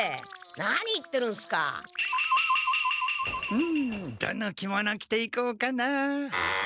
うんどの着物着ていこうかな？